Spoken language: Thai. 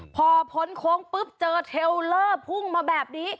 พอพ้นโค้งปุ๊บเจอเทลเลอร์พุ่งมาแบบนี้